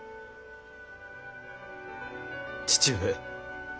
父上。